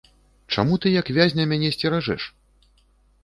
Чаму ты, як вязня, мяне сцеражэш?